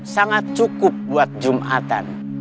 sangat cukup buat jumatan